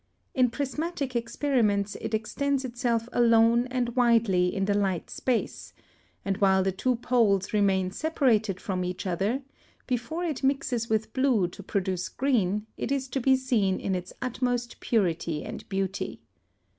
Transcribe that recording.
In prismatic experiments it extends itself alone and widely in the light space, and while the two poles remain separated from each other, before it mixes with blue to produce green it is to be seen in its utmost purity and beauty.